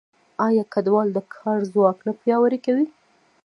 آیا کډوال د کار ځواک نه پیاوړی کوي؟